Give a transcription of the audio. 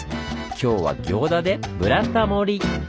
今日は行田で「ブラタモリ」！